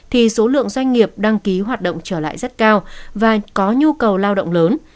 thì số lượng doanh nghiệp đăng ký hoạt động trở lại rất cao và có nhu cầu lao động lớn